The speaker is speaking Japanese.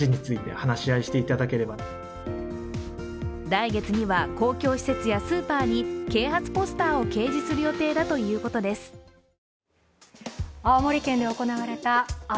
来月には公共施設やスーパーに啓発ポスターを掲示する予定だということです。